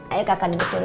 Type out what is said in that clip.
ayo kakak duduk dulu